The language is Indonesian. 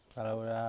ya mendingan lah